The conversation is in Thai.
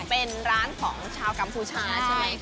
เป็นร้านของชาวกัมพูชาใช่ไหมคะ